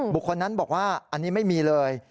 บุคคลนั้นบอกว่าอันนี้ไม่มีเลย